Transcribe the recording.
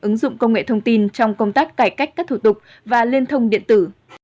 ứng dụng công nghệ thông tin trong công tác cải cách các thủ tục và liên thông điện tử